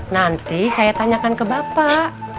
nanti saya tanyakan ke bapak